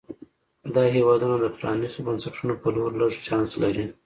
دا هېوادونه د پرانیستو بنسټونو په لور لږ چانس لري.